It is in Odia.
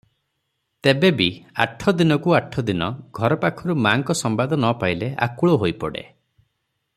ତେବେ ବି ଆଠଦିନକୁ ଆଠଦିନ ଘରପାଖରୁ ମା'ଙ୍କ ସମ୍ବାଦ ନ ପାଇଲେ ଆକୁଳ ହୋଇପଡେ ।